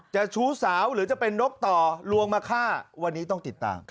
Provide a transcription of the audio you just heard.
ชู้สาวหรือจะเป็นนกต่อลวงมาฆ่าวันนี้ต้องติดตาม